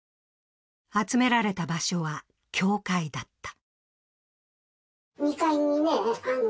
集められた場所は教会だった。